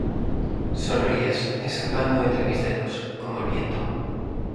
Sonríes, escapando entre mis dedos, como el viento